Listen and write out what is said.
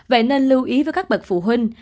vậy nên lưu ý với các bậc phụ huynh